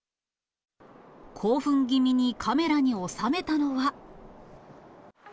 興奮気味にカメラに収めたのは。